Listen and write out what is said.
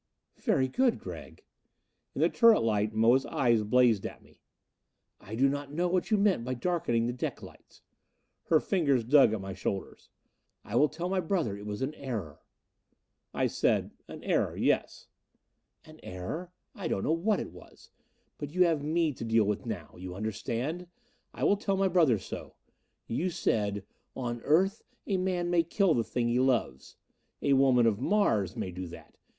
"Very good, Gregg." In the turret light Moa's eyes blazed at me. "I do not know what you meant by darkening the deck lights." Her fingers dug at my shoulders. "I will tell my brother it was an error." I said, "An error yes." "An error? I don't know what it was. But you have me to deal with now. You understand? I will tell my brother so. You said, 'On Earth a man may kill the thing he loves.' A woman of Mars may do that!